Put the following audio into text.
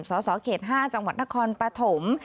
สสเขต๕จังหวัดนครปฐม